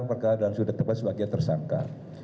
perkara dalam sudut tepat sebagai tersangka